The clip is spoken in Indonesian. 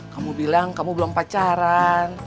kamu bilang kamu belum pacaran